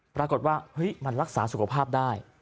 ปรากฏว่าเฮ้ยมันรักษาสุขภาพได้